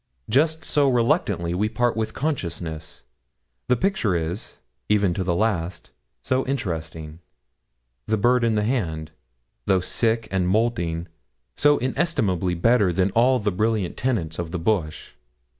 Just so reluctantly we part with consciousness, the picture is, even to the last, so interesting; the bird in the hand, though sick and moulting, so inestimably better than all the brilliant tenants of the bush.